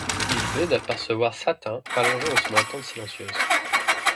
Il venait d'apercevoir Satin, allongée dans son attente silencieuse.